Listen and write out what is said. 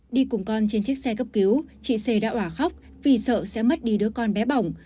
đi cùng con trên chiếc xe cấp cứu chị xê đã hỏa khóc vì sợ sẽ mất đi đứa con bé bỏng